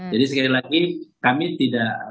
jadi sekali lagi kami tidak